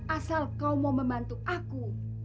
asal kau mau membantu aku